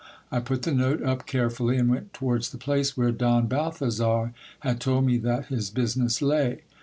I put the note up carefully, and went towards the place where Don Balthazar had told me that his business lay.